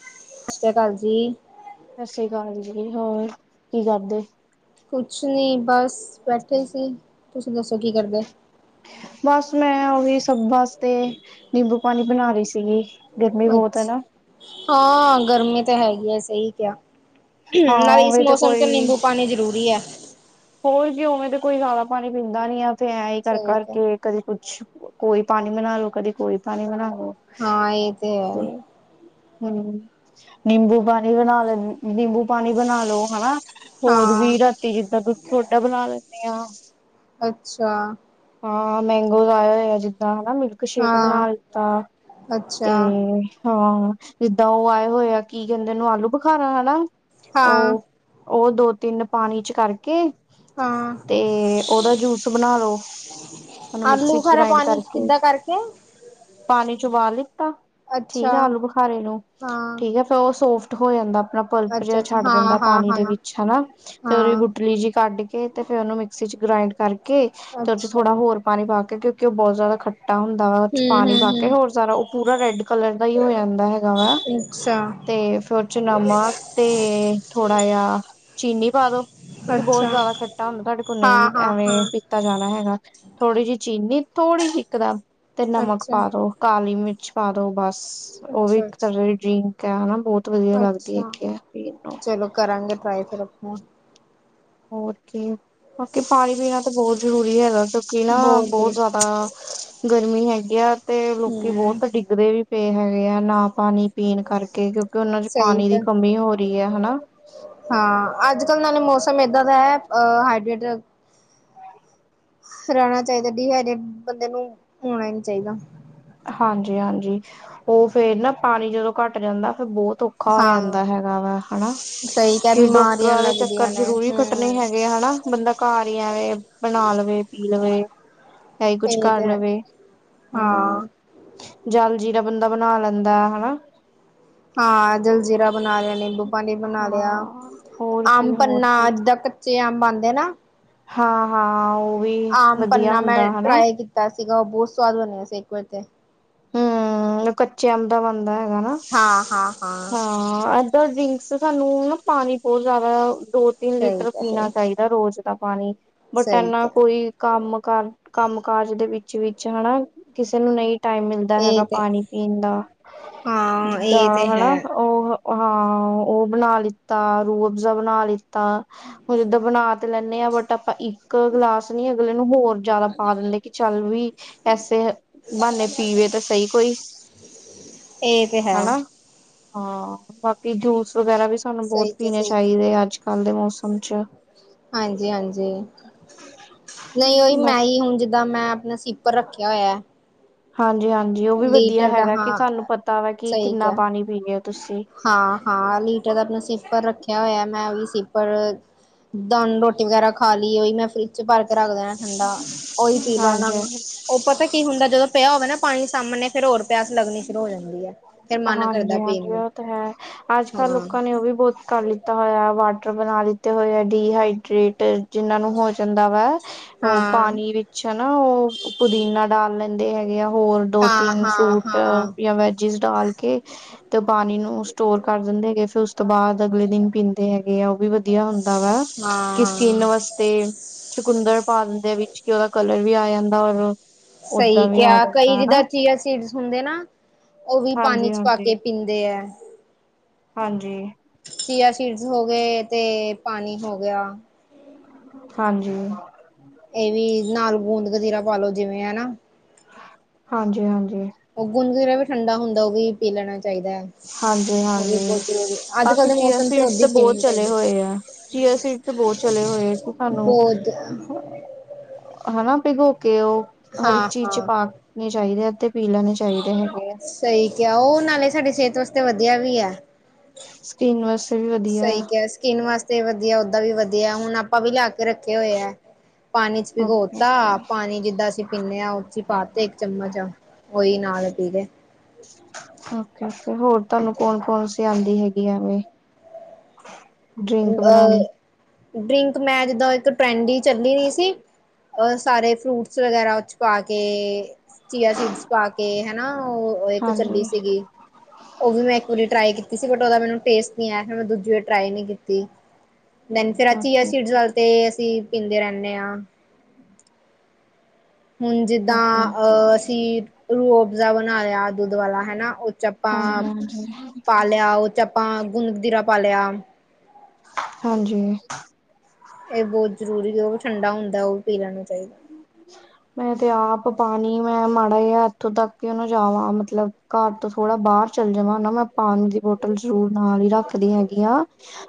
ਸਾਸ ਸ੍ਰੀ ਕਾਲ ਜੀ। ਸਾਸ ਸ਼੍ਰੀ ਕਾਲ ਜੀ ਹੋਰ ਕੀ ਕਰਦੇ? ਕੁਛ ਨੀ ਬਸ ਬੈਠੇ ਸੀ, ਤੁਸੀਂ ਦੱਸੋ ਕੀ ਕਰਦੇ? ਬਸ ਮੈਂ ਓਹੀ ਸਭ ਬਾਸਤੇ ਨਿੰਬੂ ਪਾਨੀ ਬਣਾ ਰਹੀ ਸੀਗੀ। ਗਰਮੀ ਬਹੁਤ ਅੱਛ, ਹੈ ਨਾ ਹਾਂ ਗਰਮੀ ਤੇ ਹੈਗੀ ਐ ਸਈ ਕੈਆ। ਹਾਂ ਨਾਲੇ ਇਸ ਉਵੇਂ ਤੇ ਮੌਸਮ ਚ ਕੋਈ ਨਿੰਬੂ ਪਾਨੀ ਜ਼ਰੂਰੀ ਐ। ਹੋਰ ਜੀ ਓਵੇਂ ਤੇ ਕੋਈ ਜਾਦਾ ਪਾਨੀ ਪੀਂਦਾ ਨੀ ਆ ਤੇੇ ਐਂ ਈ ਸਹੀ ਕਰ-ਕਰ ਕਿਹਾ ਕੇ। ਕਦੇ ਕੁਛ, ਕੋਈ ਪਾਨੀ ਬਣਾ ਲੋ, ਕਦੇ ਕੋਈ ਪਾਨੀ ਬਣਾ ਲੋ। ਹਾਂ ਏ ਤੇ ਹੈ। ਹੂੰ ਨਿੰਬੂ ਪਾਨੀ ਬਣਾ ਲੋ, ਨਿੰਬੂ ਪਾਣੀ ਬਣਾ ਲੋ ਹਨਾ। ਹੋਰ ਵੀ ਹਾਂ ਰਾਤੀ ਜਿੱਦਾਂ ਦੁੱਧ ਸੋਡਾ ਬਣਾ ਲੈਨੀ ਆ। ਅੱਛਾ। ਹਾਂ ਮੈਂਗੋਸ ਆਏ ਹੋਏ ਜਿੱਦਾਂ ਹਨਾ ਮਿਲ ਮਿਲਕ ਸ਼ੇਕ ਹਾਂ ਬਣਾ ਲਿੱਤਾ, ਤੇ ਅੱਛਾ ਹਾਂ ਜਿੱਦਾਂ ਓ ਆਏ ਹੋਏ ਆ ਕੀ ਕੈਂਦੇ ਓਨੂੰ ਆਲੂ ਬੁਖਾਰਾ ਹੈਨਾ, ਹਾਂ ਓ ਓ ਦੋ-ਤਿੰਨ ਪਾਨੀ ਚ ਕਰਕੇ ਹਾਂ ਤੇ ਓਦਾ ਜੂਸ ਬਣਾ ਲੋੋ ਓਨੂੰ ਮਿਕਸੀ ਆਲੂ ਚ ਖਾਰਾ ਗ੍ਰਾਇੰਡ ਪਾਣੀ ਕਰਕੇ, ਕਿੱਦਾਂ ਪਾਨੀ ਚ ਉਬਾਲ ਲਿੱਤਾ ਅੱਛਾ ਠੀਕ ਆ ਆਲੂ ਬੁਖਾਰੇ ਨੂੰ, ਹਾਂ ਠੀਕ ਆ ਫੇਰ ਓ ਸੋਫਟ ਹੋ ਜਾਂਦਾ ਆਪਣਾ ਪਲਪ ਅੱਛਾ ਜੇਆ ਅੱਛਾ ਛੱਡ ਹਾਂ ਦਿੰਦਾ ਹਾਂ ਪਾਨੀ ਹਾਂ ਦੇ ਵਿੱਚ ਹਨਾ ਤੇ ਓਦੀ ਹਾਂ ਗੁਟਲੀ ਜੀ ਕੱਢ ਕੇ। ਤੇ ਫੇਰ ਓਨੂੰ ਮਿਕਸੀ ਚ ਗਰਾਇਡ ਕਰਕੇ ਤੇ ਓਚ ਅੱਛਾ ਥੋੜ੍ਹਾ ਹਮ ਹੋਰ ਪਾਨੀ ਪਾ ਕੇ ਕਿਉਂਕਿ ਓ ਬੋਤ ਜਾਦਾ ਖੱਟ ਚਿੱਟਾ ਹੁੰਦਾ ਵਾ ਓਚ ਪਾਣੀ ਪਾ ਕੇ ਹਮ ਹੋਰ ਸਾਰਾ ਓ ਪੂਰਾ ਰੈਡ ਕਲਰ ਦਾ ਈ ਹੋ ਜਾਂਦਾ ਹੈਗਾ ਵਾ। ਅੱਛਾ। ਤੇ ਫੇਰ ਓਚ ਨਮਕ, ਤੇ ਥੋੜ੍ਹਾ ਯਾ ਚੀਨੀ ਪਾ ਦੋ। ਕਿਉਂਕਿ ਬੋਤ ਅੱਛਾ ਜਾਦਾ ਖੱਟਾ ਹੁੰਦ, ਤੁਆਡੇ ਕੋਲ ਹਾਂ ਨਈ ਹਾਂ ਐਵੇਂ ਹਾਂ ਪੀ ਤਾਂ ਜਾਣਾ ਹੈਗਾ, ਥੋੜ੍ਹੀ ਜੀ ਚੀਨੀ ਥੋੜ੍ਹੀ ਜੀ ਇੱਕਦਮ, ਤੇ ਨਮਕ ਅੱਛਾ ਪਾ ਦੋ। ਕਾਲੀ ਮਿਰਚ ਪਾ ਦੋ ਬਸ, ਓਵੀ ਅੱਛਾ ਏਕ ਤਰਾਂ ਅੱਛਾ ਦੀ ਡਰੀ ਕੈ ਹੈਨਾ ਬੋਤ ਵਧੀਆ ਲੱਗਦੀ ਏ ਅੱਛਾ ਪੀਨ ਨੂੰ ਚਲੋ ਕਰਾਂਗੇ ਟਰਾਏ ਫਿਰ ਆਪਾ। ਹੋਰ ਕੀ, ਬਾਕੀ ਪਾਨੀ ਪੀਨਾ ਤਾਂ ਬੋਤ ਜ਼ਰੂਰੀ ਹੈਗਾ। ਤੁਸੀ ਨਾ ਬਹੁਤ ਬੋਤ ਜਾਦਾ, ਗਰਮੀ ਹੈਗੀ ਆ ਤੇ ਲੋਕੀ ਹਮ ਬੋਤ ਡਿੱਗ ਦੇ ਵੀ ਪੇ ਹੈਗੇ ਆ, ਨਾ ਪਾਣੀ ਪੀਨ ਕਰਕੇ ਕਿਉ ਕਿ ਉਨਾਂ ਚ ਸਹੀ ਪਾਨੀ ਦੀ ਤਾਂ ਕਮੀ ਹੋ ਰੀ ਐ, ਹਨਾ। ਹਾਂ, ਅੱਜ ਕੱਲ੍ਹ ਨਾਲੇ ਮੌਸਮ ਏਦਾਂ ਦਾ ਐ, ਅ ਹਾਈਡਰੇਟ ਰੈਣਾ ਚਾਈਦਾ, ਡੀਹਾਈਡੇਟ ਬੰਦੇ ਨੂੰ ਹੋਣਾ ਈ ਨੀ ਚਾਈਦਾ। ਹਾਂਜੀ- ਹਾਂਜੀ, ਓ ਫੇਰ ਨਾ ਪਾਣੀ ਜਦੋਂ ਘੱਟ ਜਾਂਦਾ ਫੇਰ ਬੋਤ ਔ ਔਖਾ ਹੋ ਹਾਂ ਜਾਂਦਾ ਹੈਗਾ ਵਾ, ਹਣਾ। ਸਹੀ ਕ ਕਿ ਬਿਮਾਰੀਆਂ ਡਾਕਟਰਾਂ ਦੇ ਚੱਕਰ ਲੱਗਦੀਆਂ ਨੇ ਜ਼ਰੂਰੀ ਕੱਟਨੇ ਹਮ ਹੈਗੇ ਹਣਾ। ਬੰਦਾ ਘਰ ਈ ਐਵੇਂ ਬਣਾ ਲਵੇ, ਪੀ ਲਵੇ ਐ ਈ ਕੁਛ ਇਹ ਕਰ ਤੇ ਹੈ ਲਵੇ। ਹਾਂ ਹੂੰ, ਜਲ ਜੀਰਾ ਬੰਦਾ ਬਨਾ ਲੈਂਦਾ, ਹਣਾ। ਹਾਂ ਜਲਜ਼ੀਰਾ ਬਨਾ ਲਿਆ, ਨਿੰਬੂ ਪਾਣੀ ਬਨਾ ਲਿਆ, ਹਾਂ ਹੋਰ ਆਮ ਕੀ ਹੋਰ ਪੰਨਾ ਕੀ ਅੱਜ ਦਾ ਤੇ ਜੇ ਆਮ ਬਨਦੇ ਨਾ। ਹਾਂ- ਹਾਂ, ਓ ਆਮ ਪੰਨਾ ਮੈਂ ਟਰਾਏ ਕੀਤਾ ਸੀਗਾ ਓ ਬੋਤ ਸੁਆਦ ਬਨਿਆ ਸੀ ਏਕ ਵਾਰੀ ਤੇ। ਹੂੰ, ਓ ਕੱਚੇ ਅੰਬ ਦਾ ਬਨਦਾ ਹੈਗਾ ਨਾ। ਹਾਂ ਹਾਂ ਹਾਂ ਹਾਂ ਅ ਪਰ ਦਿਨ ਸ ਸਾਨੂੰ ਨਾ ਪਾਨੀ ਬੋਤ ਜਾਦਾ, ਦੋ, ਤਿੰਨ ਸਹੀ ਲੀਟਰ ਕਿਹਾ ਪੀਨਾ ਸਹੀ ਚਾਈਦਾ ਰੋਜ਼ ਦਾ ਪਾਨੀ ਬਟ ਸਹੀ ਐਨਾਂ ਕਿਹਾ ਕੋਈ ਕੰਮ- ਕਾਰ, ਕੰਮ -ਕਾਜ ਦੇ ਵਿੱਚ-ਵਿੱਚ ਹੈਣਾ ਕਿਸੇ ਨੂੰ ਨਈ ਟਾਈਮ ਮਿਲ ਦਾ ਹੈਗਾ ਇਹ ਤੇ ਪਾਣੀ ਪੀਨ ਦਾ, ਹਾਂ ਜਿੱਦਾਂ ਇਹ ਤੇ ਹਣਾ ਹੈ ਓ ਹਾਂ, ਓ ਬਣਾ ਲਿੱਤਾ ਰੂਅਬਜ਼ਾ ਬਣਾ ਲਿੱਤਾ ਹੁਣ ਤਾਂ ਬਣਾ ਲੈਨੇ ਆ ਬਟ ਆਪਾਂ ਇੱਕ ਗਲਾਸ ਨੀ, ਅਗਲੇ ਨੂੰ ਹੋਰ ਜਾਦਾ ਪਾ ਦਿੰਦੇ ਕਿ ਚੱਲ ਵੀ ਐੇਸੇ ਬਆਨੇ ਪੀਏ ਤਾਂ ਸਈ ਕੋਈ, ਇਹ ਤੇ ਹੈ ਹਣਾ। ਹਾਂ, ਬਾਕੀ ਜੂਸ ਵਗੈਰਾ ਵੀ ਸਾਨੂੰ ਬੋਤ ਸਹੀ ਕਿਹਾ ਪੀਣੇ ਸਹੀ ਕਿਹਾ। ਚਾਈਦੇ ਅੱਜ ਕੱਲ੍ਹ ਦੇ ਮੌਸਮ ਚ। ਹਾਂਜੀ- ਹਾਂਜੀ। ਨਈ ਓਈ ਮੈਂ ਬਾਕੀ ਈ ਹੁਣ ਜਿ ਦਾਂ ਮੈਂ ਅਪਨਾ ਸੀਪਰ ਰੱਖਿਆ ਹੋਇਆ। ਹਾਂਜੀ- ਹਾਂਜੀ ਓ ਵੀ ਵਧੀਆ ਲੀਟਰ ਦਾ ਹੈਗਾ ਕਿ ਹਾਂ ਤੁਆਨੂੰ ਪਤਾ ਵਾ ਕਿ ਸਹੀ ਕਿੰਨਾ ਕਿਹਾ ਪਾਨੀ ਪੀ ਲਿਆ ਤੁਸੀਂ। ਹਾਂ-ਹਾਂ, ਨੀਟਾ ਦਾ ਅਪਨਾਂ ਸੀਪਰ ਰੱਖਿਆ ਹੋਇਆ ਮੈਂ, ਓ ਵੀ ਸੀਪਰ ਜਿੱਦਾਂ ਹੁਨ ਰੋਟੀ ਵਗੈਰਾ ਖਾ ਲੀ, ਓਈ ਮੈਂ ਫਰਿਜ਼ ਚ ਭਰ ਕੇ ਰੱਖ ਦੇਨਾ ਠੰਡਾ, ਓਈ ਪੀ ਲੈਣਾ। ਹਾਂਜੀ ਓ ਪਤਾ ਕੀ ਹੁੰਦਾ, ਜਦੋਂ ਪਿਆ ਹੋਵੇ ਨਾ ਪਾਣੀ ਸਾਮਣੇ ਫੇਰ ਹੋਰ ਪਿਆਸ ਲੱਗਣੀ ਸ਼ੁਰੂ ਹੋ ਜਾਂਦੀ ਐ ਫੇਰ ਮਨ ਕਰਦਾ ਹਾਂਜੀ ਹਾਂਜੀ ਪੀਨ ਨੂੰ, ਉਹ ਤਾਂ ਹਾਂ। ਕੱਲ ਲਿੱਤਾ ਹੋਇਆ, ਵਾਟਰ ਬਨਾ ਦਿੱਤੇ ਹੋਏ ਐ ਡੀਹਾਈਡਰੇਟ ਜਿੰਨਾਂ ਨੂੰ ਹੋ ਜਾਂਦਾ ਵਾ, ਓ ਹਾਂ-ਹਾਂ-ਹਾਂ। ਪਾਨੀ ਵਿੱਚ ਚ ਐ ਨਾ ਓ ਪੁਦੀਨਾ ਡਾਲ ਲੈਂਦੇ ਹੈਗੇ ਆ ਹੋਰ ਦੋ- ਤਿੰਨ ਫਰੂਟ ਯਾਂ ਵੈਜਿਸ ਡਾਲ ਕੇ ਤੇ ਓ ਪਾਨੀ ਨੂੰ ਸਟੋਰ ਕਰ ਦਿੰਦੇ ਹੈਗੇ ਫੇਰ ਉਸ ਤੋਂ ਬਾਅਦ ਅਗਲੇ ਦਿਨ ਪੀਂਦੇ ਹੈਗੇ ਆ ਓ ਵੀ ਵੱ ਵਧੀਆ ਹੁੰਦਾ ਵਾ, ਕਿ ਹਾਂ-ਹਾਂ ਸਕਿਨ ਵਸ ਤੇ ਚੁਕੁੰਦਰ ਪਾਂਦੇ ਵਿੱਚ ਕਿ ਓਦਾ ਕਲਰ ਵੀ ਆ ਜਾਂਦਾ ਔਰ ਸਈ ਓਦਾਂ ਵੀ ਆ ਕਿਆ ਕਈ ਜਾਂਦਾ ਹਨਾ ਜਿੱਦਾਂ ਚੀਆ ਸੀ ਸੀਡਸ ਹੁੰਦੇ ਨਾ, ਓ ਵੀ ਪਾਨੀ ਹਾਂਜੀ ਚ ਪਾ ਹਾਂਜੀ ਕੇ ਪੀਂਦੇ ਐ। ਹਾਂਜੀ। ਚੀਆ ਸੀਡਸ ਹੋ ਗਏ, ਤੇ ਪਾਨੀ ਹੋ ਗਿਆ। ਹਾਂਜੀ। ਏ ਵੀ ਨਾਲ ਗੂੰਦ ਕਤੀਰਾ ਪਾ ਲੋ ਜਿਵੇਂ ਹਨਾ। ਹਾਂਜੀ- ਹਾਂਜੀ। ਉਹ ਗੁੰਦ ਕਤੀਰਾ ਵੀ ਠੰਡਾ ਹੁੰਦਾ, ਉਹ ਵੀ ਪੀ ਲੈਣਾ ਚਾਹੀਦਾ। ਉਹ ਵੀ ਹਾਂਜੀ-ਹਾਂਜੀ, ਬਹੁਤ ਜ਼ਰੂਰੀ ਅੱਜ ਕੱਲ੍ਹ ਬਾਕੀ ਦੇ ਚੀਆ ਮੌਸਮ ਸੀਡਸ ਉਦਾਂ ਤੇ ਹੀ ਬਹੁਤ ਪੀਣਾ ਚਲੇ ਚਾਹੀਦਾ ਹੋਏ ਆ, ਚੀਆ ਸੀਡਸ। ਬਹੁਤ ਚਲੇ ਹੋਏ, ਤੇ ਸਾਨੂੰ ਬਹੁਤ ਹਨਾ ਭਿੱਗੋਕੇ ਉਹ, ਹਰੀ ਇੱਕ ਹਾਂ ਚੀਜ਼'ਚ ਹਾਂ ਪਾ ਨਹੀਂ ਚਾਹੀਦੇ, ਐ ਤੇ ਪੀ ਲੈਣੇ ਚਾਹੀਦੇ ਹੈਗੇ ਆ। ਸਹੀ ਕਿਹਾ, ਉਹ ਨਾਲੇ ਸਾਡੀ ਸਿਹਤ ਵਾਸਤੇ ਵਧੀਆ ਵੀ ਆ। ਸਕਿਨ ਵੈਸੇ ਵੀ ਵਧੀਆ ਸਹੀ ਕਿਆ ਸਕਿਨ ਵਾਸਤੇ ਵਧੀਆ, ਓਦਾਂ ਵੀ ਵਧੀਆ, ਹੁਣ ਆਪਾਂ ਵੀ ਲਿਆਕੇ ਰੱਖੇ ਹੋਏ ਆ। ਪਾਣੀ'ਚ ਓਕੇ ਭਿਗੋਤਾ, ਪਾਣੀ ਜਿੱਦਾਂ ਅਸੀ ਪੀਨੇ ਆ ਉਹ'ਚ ਪਾਤੇ ਇੱਕ ਚਮਚ, ਓਈ ਨਾਲ ਪੀਲੇ। ਆਕਰਖ ਹੋਰ ਤੁਹਾਨੂੰ ਕੌਣ-ਕੌਣ ਸੀ ਆਂਦੀ ਹੈਗੀ ਐਂਵੇ? [inaudible] ਅਹ, ਬਣਾਉਣੀ ਡਰਿੰਕ ਮੈਚ ਦਾ ਇੱਕ ਟਰੈਂਡੀ ਚੱਲੀ ਨਹੀਂ ਸੀ। ਅ, ਸਾਰੇ ਫਰੂਟਸ ਵਗੈਰਾ ਉਹ'ਚ ਪਾਕੇ ਚੀਆ ਸੀਡਸ ਪਾਕੇ ਹਨਾ, ਉਹ ਇੱਕ ਹਾਂਜੀ ਚੱਲੀ ਸੀਗੀ। ਉਹ ਵੀ ਮੈਂ ਇੱਕ ਵਾਰੀ ਟਰਾਈ ਕੀਤੀ ਸੀ, ਬਟ ਉਹਦਾ ਮੈਨੂੰ ਟੇਸਟ ਨਹੀਂ ਆਇਆ, ਫਿਰ ਮੈਂ ਦੂਜੀ ਵਾਰੀ ਟਰਾਈ ਨਹੀਂ ਕੀ ਦੀ, ਮੇਨ ਤਰਾ ਚੀਆ ਓਕੇ ਸੀਡਸ ਓਕੇ ਵਾਸਤੇ ਤੇ, ਅਸੀਂ ਪੀਂਦੇ ਰਹਿੰਦੇ ਹਾਂ। ਹੁਣ ਜਿੱਦਾਂ ਓਕੇ ਅਹ, ਓਕੇ ਅਸੀਂ ਰੂ-ਅਬਜ਼ਾ ਬਣਾਲਿਆ ਦੁੱਧ ਵਾਲਾ, ਹੈਨਾ ਉਹ'ਚ ਹਾਂਜੀ ਪਾਂ, ਹਾਂਜੀ ਪਾਲਿਆ ਉਹ'ਚ ਆਪਾਂ ਗੁੰਦਕਤੀਰਾ ਪਾਲਿਆ। ਹਾਂਜੀ। ਇਹ ਬਹੁਤ ਜ਼ਰੂਰੀ ਉਹ ਵੀ ਠੰਡਾ ਹੁੰਦਾ, ਉਹ ਪੀ ਲੈਣਾ ਚਾਹੀਦਾ। ਮੈਂ ਤੇ ਆਪ ਪਾਨੀ, ਮੈਂ ਮਾੜਾ ਜਿਹਾ ਇੱਥੋਂ ਤੱਕ ਕਿਉਂ ਨ ਜਾਵਾਂ ਮਤਲਬ ਘਰ ਤੋਂ ਥੋੜ੍ਹਾ ਬਾਹਰ ਚੱਲ ਜਾਵਾਂ ਨਾ, ਮੈਂ ਪਾਣੀ ਦੀ ਬੋਟਲ ਜ਼ਰੂਰ ਨਾਲ ਈ ਰੱਖਦੀ ਹੈਗੀ ਆਂ।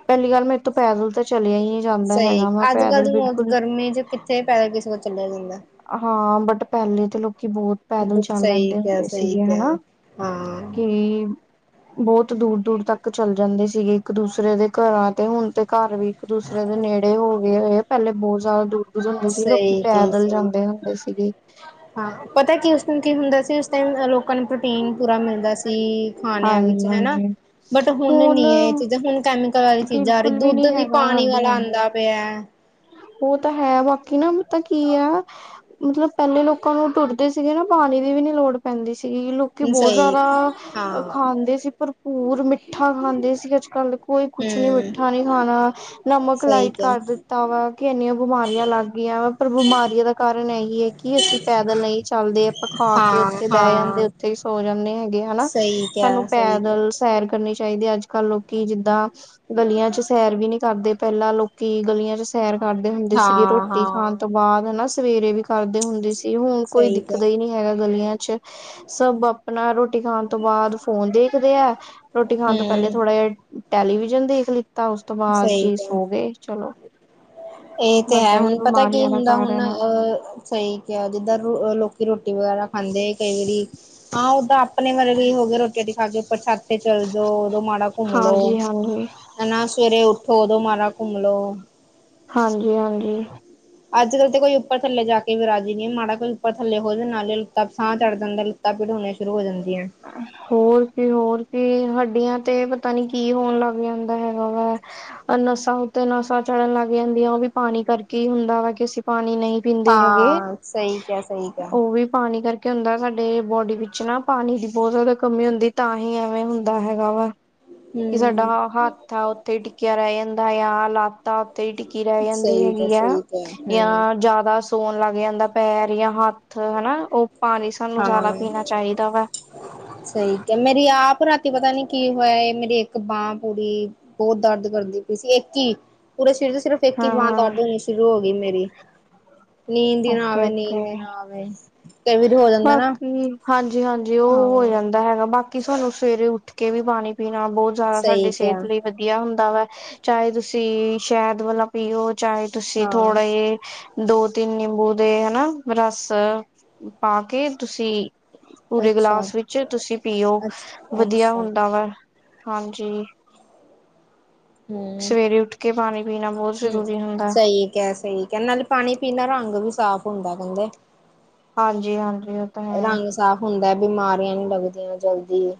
ਪਹਿਲੀ ਗੱਲ ਮੈਥੋਂ ਤੋਂ ਪੈਦਲ ਤਾਂ ਚਲਿਆ ਹੀ ਜਾਂਦਾ ਸਹੀ, ਹੈਗਾ ਮੈਂ ਅੱਜ-ਕੱਲ ਪੈਦਲ ਦੀ ਬਿਲਕੁਲ ਬੋਤ, ਕਿੱਥੇ ਪੈਕੇ ਸੋਚ ਲੈਂਨੀ ਆ। ਹਾਂ, ਬਟ ਪਹਿਲੇ ਤੇ ਲੋਕੀ ਬਹੁਤ ਪੈਦਲ ਚੱਲ ਸਹੀ ਲੈਂਦੇ ਕਿਹਾ ਹੁੰਦੇ ਸਹੀ ਸੀਗੇ ਕਿਹਾ ਹਨਾ, ਹਾਂ ਕਿ ਬਹੁਤ ਦੂਰ-ਦੂਰ ਤੱਕ ਚੱਲ ਜਾਂਦੇ ਸੀਗੇ, ਇੱਕ-ਦੂਸਰੇ ਦੇ ਘਰਾਂ ਤੇ ਹੁਣ ਤੇ ਘਰ ਵੀ ਇੱਕ-ਦੂਸਰੇ ਦੇ ਨੇੜੇ ਹੋਗੇ ਹੋਏ, ਪਹਿਲੇ ਬਹੁਤ ਜ਼ਿਆਦਾ ਦੂਰ-ਦੂਰ ਹੁੰਦੇ ਸੀ, ਲੋਕੀ ਸਹੀ ਪੈਦਲ ਜਾਂ ਹੁੰਦੇ ਸੀਗੇ। ਹਾ, ਪਤਾ ਏ ਕਿ ਉਸ ਦਿਨ ਕੀ ਹੁੰਦਾ ਸੀ, ਉਸ ਦਿਨ ਲੋਕਾਂ ਨੂੰ ਪ੍ਰੋਟੀਨ ਪੂਰਾ ਮਿਲਦਾ ਸੀ ਖਾਣਿਆਂ ਵਿੱਚ ਹਾਂਜੀ ਹੈਨਾ, ਹਾਂਜੀ ਬਟ ਹੁਣ ਨੀ ਏ ਇਹ ਚੀਜ਼ਾਂ, ਹੁਣ ਕੈ ਤਰ੍ਹਾਂ ਦੀ ਚੀਜ਼ਾਂ ਆ ਰਹੀ, ਬਿਲਕੁਲ ਦੁੱਧ ਨੀ ਵੀ ਹੈਗਾ ਪਾਣੀ ਹਾਂਜੀ ਵਾਲਾ ਹਾਂਜੀ ਆਂਦਾ ਪਿਆ। ਉਹ ਤਾਂ ਹੈ, ਬਾਕੀ ਨਾ ਪਤਾ ਤਾਂ ਕੀ ਆ ਮਤਲਬ ਪਹਿਲੇ ਲੋਕਾਂ ਨੂੰ ਟੁੱਟਦੇ ਸੀਗੇ ਨਾ, ਪਾਣੀ ਦੀ ਵੀ ਨੀ ਲੋੜ ਪੈਂਦੀ ਸੀਗੀ ਕਿ ਕਿ ਬਹੁਤ ਸਹੀ ਜ਼ਿਆਦਾ ਹਾਂ ਖਾਂਦੇ ਸੀ, ਭਰਪੂਰ ਮਿੱਠਾ ਖਾਂਦੇ ਸੀ ਅੱਜ-ਕੱਲ ਕੋਈ ਕੁਛ ਨੀ, ਹੂੰ ਮਿੱਠਾ ਨਹੀ ਖਾਣਾ। ਨਮਕ ਸਹੀ ਲਾਈਟ ਕਰ ਕਿਹਾ ਦਿੱਤਾ ਵਾ, ਕਿ ਇੰਨੀਆਂ ਬਿਮਾਰੀਆਂ ਲੱਗ ਗਈਆਂ ਵਾ, ਪਰ ਬਿਮਾਰੀਆਂ ਦਾ ਕਾਰਨ ਐਹੀ ਹੈ ਕਿ ਅਸੀਂ ਪੈਦਲ ਨਹੀਂ ਚੱਲਦੇ, ਆਪਾ ਖਾਕੇ ਹਾਂ ਉੱਥੇ ਬਹਿ ਜਾਂਦੇ, ਹਾਂ ਉੱਥੇ ਸੋ ਜਾਂਦੇ ਹੈਗੇ ਹਨਾ, ਸਹੀ ਸਾਨੂੰ ਕਿਹਾ ਸਹੀ ਕਿਹਾ ਪੈਦਲ ਸੈਰ ਕਰਨੀ ਚਾਹੀਦੀ ਏ, ਅੱਜ-ਕੱਲ ਲੋਕੀ ਜਿੱਦਾਂ ਗਲੀਆਂ'ਚ ਸੈਰ ਵੀ ਨਹੀ ਕਰਦੇ, ਪਹਿਲਾਂ ਲੋਕੀ ਗਲੀਆਂ'ਚ ਸੈਰ ਕਰਦੇ ਹੁੰਦੇ ਸੀਗੇ, ਹਾਂ ਰ੍ਹੋਟੀ ਖਾਣ ਹਾਂ ਤੋਂ ਬਾਅਦ ਹਨਾ ਸਵੇਰੇ ਵੀ। ਕਰਦੇ ਹੁੰਦੇ ਸੀ, ਹੁਣ ਕੋਈ ਸਹੀ ਦਿਖਦਾ ਹੀ ਕਿਹਾ ਨਹੀ ਹੈਗਾ ਗਲੀਆਂ'ਚ ਸਭ ਆਪਣਾ ਰੋਟੀ ਖਾਣ ਤੋਂ ਬਾਅਦ ਫੋਨ ਦੇਖਦੇ ਆ, ਰੋਟੀ ਖਾਣ ਤੋਂ ਪਹਿਲੇ ਹੂੰ ਥੋੜ੍ਹਾ ਜਿਹਾ ਟੈਲੀਵਿਜ਼ਨ ਦੇਖ ਲਿੱਤਾ, ਉਸ ਤੋਂ ਬਾਅਦ ਸਹੀ ਜੀ ਕਿਹਾ ਸੋ ਗਏ, ਚਲੋ। ਇਹ ਤੇ ਬਟ ਹੈ ਇਹੀ ਹੁਣ ਪਤਾ ਕੀ ਬਿਮਾਰੀਆਂ ਦਾ ਹੁੰਦਾ ਹੁਣ ਕਾਰਨ ਆ ਅਹ ਸਹੀ ਕਿਹਾ ਜਿੱਦਾਂ ਰੋਟੀ ਵਗੈਰਾ ਖਾਂਦੇ ਕਈ ਵਾਰੀ, ਹਾਂ ਓਦਾਂ ਆਪਣੇ ਵਾਲੇ ਵੀ ਹੋ ਗਏ ਰੋਟੀ ਰੋਟੀ ਖਾ ਕੇਛਾ ਉਪਰ ਛੱਤ ਤੇ ਕਿਤੇ ਚੱਲ ਜਾਓ ਉਦੋਂ ਮਾੜਾ ਘੁੰਮ ਲੋੋ ਹਾਂਜੀ ਹਾਂਜੀ ਹਨ ਨਾ ਸਵੇਰੇ ਉੱਠੋ ਉਦੋ ਮਾਰ ਘੁੰਮ ਲੋ। ਹਾਂਜੀ, ਹਾਂਜੀ। ਅੱਜ ਕੱਲ ਤੇ ਕੋਈ ਉਪਰਥੱਲੇ ਜਾ ਕੇ ਵਿ ਰਾਜੀ ਨਹੀ ਮਾੜਾ ਕੋਈ ਉੱਪਰ ਲੇ ਹੋ ਜਾਂਦੇ ਨਾਲੇ ਲੁੱ ਸਾਹ ਚੜ ਜਾਂਦਾ। ਲਤਾ ਪੀੜ ਹੋਣੀਆਂ ਸ਼ੁਰੂ ਹੋ ਜਾਂਦੀਆਂ। ਹੋਰ ਕੀ ਹੋਰ ਕੀ ਹੱਡੀਆਂ ਤੇ ਪਤਾ ਨੀ ਕੀ ਹੋਣ ਲੱਗ ਜਾਂਦਾ ਹੈਗਾ ਵੇ। ਨਸ਼ਾਂ ਉੱਤੇ ਨਸ਼ਾ ਚੜਨ ਲੱਗ ਜਾਂਦੀਆਂ, ਉਹ ਵੀ ਪਾਣੀ ਕਰਕੇ ਹੀ ਹੁੰਦਾ ਵਾ ਕਿ ਅਸੀਂ ਪਾਣੀ ਨਹੀਂ ਪੀਂਦੇ ਹੈਗੇ, ਹਾਂ ਸਹੀ ਕਿਹਾ ਸਹੀ ਕਿਹਾ ਉਹ ਵੀ ਪਾਣੀ ਕਰਕੇ ਕੀ ਹੁੰਦਾ ਸਾਡੇ ਬੋਡੀ ਵਿੱਚ ਨਾ ਪਾਣੀ ਦੀ ਬਹੁਤ ਜ਼ਿਆਦਾ ਕਮੀ ਹੁੰਦੀ, ਤਾਂ ਹੀ ਐਵੇਂ ਹੁੰਦਾ ਹੈਗਾ ਵਾ। ਕਿ ਸਾਡਾ ਹਮ ਹੱਥ ਆ ਉੱਥੇ ਹੀ ਟਿੱਕਿਆ ਰਹਿ ਜਾਂਦਾ ਆ ਲਾਤ ਆ ਉਤੇ ਟਿੱਕੀ ਰਹਿ ਜਾਂਦੀ ਸਹੀ ਕਿਹਾ ਹੈਗੀ ਆ, ਸਹੀ ਕਿਹਾ ਹਮ ਜਾਂ ਜ਼ਿਆਦਾ ਸੋਣ ਲੱਗ ਜਾਂਦਾ ਪੈਰ ਜਾਂ ਹੱਥ ਹਨਾ, ਔਹ ਪਾਣੀ ਸਾਨੂੰ ਜ਼ਿਆਦਾ ਹਾਂ ਪੀਣਾ ਚਾਹੀਦਾ ਵਾ। ਸਹੀ ਕਿਹਾ, ਤੇ ਮੇਰੀ ਆਪ ਰਾਤੀ ਪਤਾ ਨੀ ਕੀ ਹੋਇਆ ਇਹ ਮੇਰੀ ਇੱਕ ਬਾਂਹ ਪੂਰੀ ਬਹੁਤ ਦਰਦ ਕਰਦੀ ਪਈ ਇੱਕ ਹੀ, ਪੂਰੇ ਸਰੀਰ ਚ ਸਿਰਫ ਇੱਕ ਹੀ ਹਾਂ ਬਾਂਹ ਹਾਂ ਦਰਦ ਹੋਣੀ ਸ਼ੁਰੂ ਹੋ ਗਈ ਮੇਰੀ ਨੀਂਦ ਹੀ ਨਾ ਓਕੇ ਆਵੇ, ਨੀਂਦ ਹੀ ਓਕੇ ਨਾ ਆਵੇ। ਕਈ ਵਾਰੀ ਹੋ ਜਾਂਦਾ ਨਾ ਬਾਕੀ ਹਾਂਜੀ, ਹਾਂਜੀ ਉਹ ਹੋ ਹਾਂ ਜਾਂਦਾ ਹੈਗਾ, ਬਾਕੀ ਕਿ ਸਾਨੂੰ ਸਵੇਰੇ ਉੱਠ ਕੇ ਵੀ ਪਾਣੀ ਪੀਣਾ ਬਹੁਤ ਜ਼ਿਆਦਾ ਸਾਡੇ ਸਹੀ ਕਿਆ ਸਿਹਤ ਲਈ ਵਧੀਆ ਹੁੰਦਾ ਵਾ, ਚਾਹੇ ਤੁਸੀਂ ਸ਼ਹਿਦ ਵਾਲਾ ਪੀਓ ਚਾਹੇ ਤੁਸੀਂ ਹਾਂ ਥੋੜ੍ਹੇ ਏ ਦੋ ਤਿੰਨ ਨਿੰਬੂ ਦੇ ਹਨਾ ਰਸ ਪਾ ਕੇ ਤੁਸੀਂ ਪੂਰੇ ਅੱਛਾ ਗਲਾਸ ਵਿੱਚ ਤੁਸੀਂ ਪੀਓ, ਅੱਛ ਵਧੀਆ ਅੱਛਾ ਹੁੰਦਾ ਵਾ ਹਾਂਜੀ। ਹਮ, ਸਵੇਰੇ ਉੱਠ ਕੇ ਪਾਣੀ ਪੀਣਾ ਬਹੁਤ ਹਮ ਜ਼ਰੂਰੀ ਹੁੰਦਾ ਸਹੀ ਕਿਹਾ, ਸਹੀ ਕਿਹਾਂ ਹੈ ਨਾਲੇ ਪਾਣੀ ਪੀਣਾ ਰੰਗ ਵੀ ਸਾਫ਼ ਹੁੰਦਾ ਕਹਿੰਦੇ। ਹਾਂਜੀ, ਹਾਂਜੀ ਤਾਂ ਹੈ ਰੰਗ ਸਾਫ਼ ਹੁੰਦਾ, ਬਿਮਾਰੀਆਂ ਨਹੀਂ ਲੱਗਦੀਆਂ ਜਲਦੀ।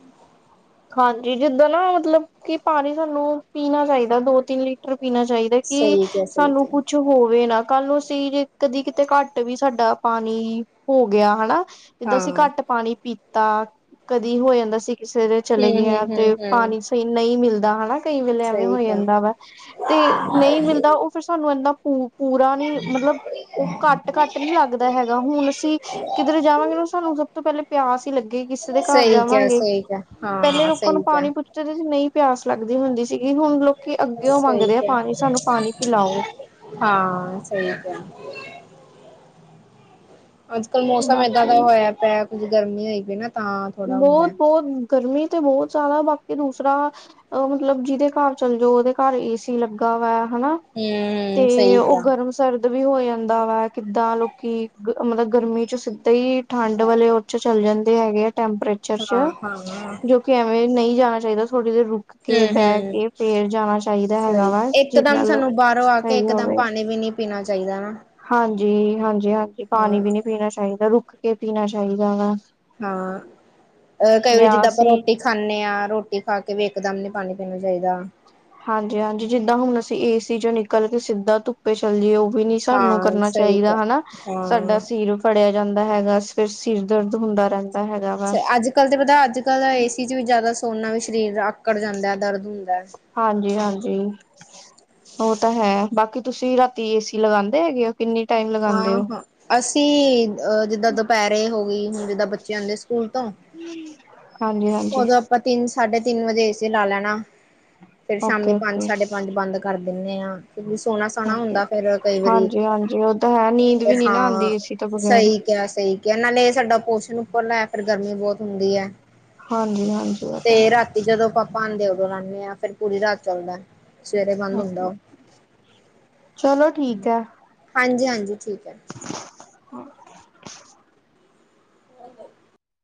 ਹਾਂਜੀ, ਜਿੱਦਾਂ ਨਾ ਮਤਲਬ ਕਿ ਪਾਣੀ ਸਾਨੂੰ ਪੀਣਾ ਚਾਹੀਦਾ ਦੋ ਤਿੰਨ ਲੀਟਰ ਪੀਣਾ ਚਾਹੀਦਾ। ਤੇ ਕਿ ਸਹੀ ਕਿਆ ਸਹੀ ਸਾਨੂੰ ਕਿਆ ਕੁਛ ਹੋਵੇ ਨਾ ਕੱਲ ਨੂੰ ਜੇ ਅਸੀਂ ਜੇ ਕਦੀ ਕਿਤੇ ਘੱਟ ਵੀ ਸਾਡਾ ਪਾਣੀ ਹੋ ਗਿਆ ਹਨਾ। ਜਦੋਂ ਅਸੀਂ ਹਾਂ ਘੱਟ ਪਾਣੀ ਪੀਤਾ, ਕਦੀ ਹੋ ਜਾਂਦਾ ਸੀ ਕਿਸੇ ਦੇ ਚਲੇ ਗਏ ਹਾ ਤੇ ਪਾਣੀ ਵਈ ਨਹੀਂ ਮਿਲਦਾ ਹਨਾ, ਕਈ ਵੇਲੇ ਐਵੇਂ ਹੋ ਜਾਂਦਾ ਵਾ। ਤੇ ਨਹੀਂ ਮਿਲਦਾ ਔ ਫੇਰ ਸਾਨੂੰ ਇਹਦਾਂ ਪੂ ਪੂਰਾ ਨੀ ਮਤਲਬ ਉਹ ਘੱਟ- ਘੱਟ ਨੀ ਲੱਗ ਹੈਗਾ, ਹੁਣ ਅਸੀਂ ਕਿੱਧਰ ਜਾਵਾਂਗੇ ਸਾਨੂੰ ਸਭ ਤੋਂ ਪਹਿਲਾ ਪਿਆਸ ਹੀ ਲੱਗੇ ਕਿਸੇ ਦੇ ਘਰ ਜਾਵਾਂਗੇ। ਠੀਕ ਹੈ, ਹਾਂ ਪਹਿਲਾ ਲੋਕਾਂ ਨੂੰ ਸਹੀ ਕਿਹਾ ਪਾਣੀ ਪੁੱਛ ਜਦੋਂ ਸੀ ਨਹੀਂ ਪਿਆਸ ਲੱਗਦੀ ਹੁੰਦੀ ਸੀਗੀ, ਹੁਣ ਲੋਕੀ ਅੱਗੇ ਓ ਸਹੀ ਮੰਗਦੇ ਆ ਕਿਹਾ ਪਾਣੀ ਸਾਨੂੰ ਪਾਣੀ ਪਿਲਾਓ। ਹਾਂ ਸਹੀ ਗੱਲ ਏ। ਅੱਜ ਕੱਲ੍ਹ ਮੌਸਮ ਏਦਾ ਬਾਕੀ ਦਾ ਹੋਇਆ ਪਿਆ, ਕੁੱਝ ਗਰਮੀ ਹੋਈ ਪਈ ਨਾ। ਤਾਂ ਥੋੜਾ ਹੁੰਦਾ ਬਹੁਤ- ਬਹੁਤ ਗਰਮੀ ਤੇ ਬਹੁਤ ਜ਼ਿਆਦਾ ਬਾਕੀ ਦੂਸਰਾ ਅਹ, ਮਤਲਬ ਜਿਹਦੇ ਘਰ ਚੱਲ ਜਾਓ ਉਹਦੇ ਘਰ ਏ ਸੀ ਲੱਗਾ ਵਾ ਹਨਾ। ਤੇ ਹੂੰ ਸਹੀ ਔਹ ਕਿਹਾ ਗਰਮ ਸਿਰਦਰਦ ਵੀ ਹੋ ਜਾਂਦਾ ਵਾ, ਕਿੱਦਾਂ ਲੋਕੀ ਮਤਲਬ ਗਰਮੀ ਚ ਸਿੱਧੇ ਹੀ ਠੰਡ ਵਾਲੇ ਉਹ ਚ੍ਹ ਚੱਲ ਜਾਂਦੇ ਹੈਗੇ ਆ ਟੈਂਪਰੇਚਰ ਹਾਂ ਚ੍ਹ ਹਾਂ ਹੂੰ ਜੋ ਕਿ ਐਵੇਂ ਨਹੀਂ ਜਾਣਾ ਚਾਹੀਦਾ, ਥੋੜੀ ਦੇਰ ਰੁਕ ਅੱਗੇ ਹੂੰ ਬੈਕੇ ਫੇਰ ਜਾਣਾ ਚਾਹੀਦਾ ਹੈਗਾ ਸਹੀ ਵਾ, ਜਿਦੇ ਇਕਦਮ ਨਾਲ ਸਾਨੂੰ ਬਾਹਰੋਂ ਆ ਕੇ ਸਹੀ ਇਕਦਮ ਹੋਵੇ। ਪਾਣੀ ਵੀ ਨਹੀਂ ਪੀਣਾ ਚਾਹੀਦਾ ਨਾ। ਹਾਂਜੀ-ਹਾਂਜੀ-ਹਾਂਜੀ, ਪਾਣੀ ਹਾਂ ਵੀ ਨਹੀਂ ਪੀਣਾ ਚਾਹੀਦਾ, ਰੁੱਕ ਕੇ ਪੀਣਾ ਚਾਹੀਦਾ ਵਾ‌। ਹਾਂ, ਅਹ, ਕਈ ਵਾਰ ਜਿੱਦਾਂ ਆਪਾਂ ਅਸੀਂ ਰੋਟੀ ਖਾਂਨੇ ਆ, ਰੋਟੀ ਖਾਕੇ ਵੀ ਇਕ-ਦਮ ਨੀ ਪਾਣੀ ਪੀਣਾ ਚਾਹੀਦਾ। ਹਾਂਜੀ-ਹਾਂਜੀ, ਜਿੱਦਾਂ ਹੁਣ ਅਸੀਂ ਏਸੀ'ਚੋਂ ਨਿਕਲ ਕੇ ਸਿੱਧਾ ਧੁੱਪ ਸਪੈਸ਼ਲ ਜੀ, ਉਹ ਵੀ ਨੀ ਸਾਨੂੰ ਹਾਂ ਕਰਨਾ ਸਹੀ ਚਾਹੀਦਾ ਕਿਹਾ ਹਨਾ, ਸਾਡਾ ਹਾਂ ਸੀਰ ਫੜ੍ਹਿਆ ਜਾਂਦਾ ਹੈਗਾ, ਫਿਰ ਸਿਰ ਦਰਦ ਹੁੰਦਾ ਰਹਿੰਦਾ। ਹੈਗਾ ਵਾ ਅੱਜ-ਕੱਲ ਤੇ ਪਤਾ ਅੱਜ-ਕੱਲ ਦਾ ਏਸੀ'ਚ ਵੀ ਜ਼ਿਆਦਾ ਸੋਣ ਨਾਲ ਵੀ ਸਰੀਰ ਆਕੜ ਜਾਂਦਾ, ਦਰਦ ਹੁੰਦੈ। ਹਾਂਜੀ-ਹਾਂਜੀ, ਉਹ ਤਾ ਹੈ, ਬਾਕੀ ਤੁਸੀਂ ਰ੍ਹਾਤੀ ਏਸੀ ਲਗਾਂਦੇ ਹੈਗੇ ਓ? ਕਿੰਨੀ ਟਾਈਮ ਲੱ ਹਾਂ-ਹਾਂ, ਅਸੀਂ ਅ, ਜਿੱਦਾਂ ਦੁਪਹਿਰੇ ਹੋਗੀ, ਹੁਣ ਜਿੱਦਾਂ ਬੱਚਿਆਂ ਦੇ ਆਉਂਦੇ ਸਕੂਲ ਤੋਂ। ਹਾਂਜੀ-ਹਾਂਜੀ। ਉਦੋਂ ਆਪਾਂ ਤਿੰਨ, ਸਾਢੇ ਤਿੰਨ ਵਜੇ ਏਸੀ ਲਾ ਲੈਣਾ। [unintelligible] ਫਿਰ ਸ਼ਾਮੀ ਪੰਜ, ਓਕੇ, ਸਾਢੇ ਪੰਜ ਬੰਦ ਕਰ ਦਿੰਦੇ ਆ, ਫਿਰ ਸੋਣਾ-ਸੋਣਾ ਓਕੇ ਹੁੰਦਾ, ਫਿਰ ਕਈ ਵਾਰੀ ਹਾਂਜੀ, ਹਾਂਜੀ ਉਹ ਤਾਂ ਹੈ ਨੀਂਦ ਫਿਰ ਵੀ ਨੀ ਨਾ ਹਾਂ, ਆਉਂਦੀ ਏਸੀ ਤੋਂ ਬਗੈਰ ਸਹੀ ਕਿਹਾ, ਸਹੀ ਕਿਹਾ, ਨਾਲੇ ਸਾਡਾ ਪੋਰਸ਼ਣ ਉੱਪਰਲਾ ਪਰ ਗਰਮੀ ਬਹੁਤ ਹੁੰਦੀ ਐ। ਹਾਂਜੀ-ਹਾਂਜੀ। ਤੇ ਰਾਤੀ ਜਦੋਂ ਪਾਪਾ ਆਂਦੇ, ਤੇ ਲਾਂਨੇ ਆ, ਫੇਰ ਪੂਰੀ ਰਾਤ ਚੱਲਦਾ। ਸਵੇਰੇ ਬੰਦ ਓਕੇ ਹੁੰਦਾ, ਓ। ਚਲੋ ਠੀਕ ਹੈ ਹਾਂਜੀ-ਹਾਂਜੀ, ਠੀਕ। [inaudible] ਨਾ ਕਰ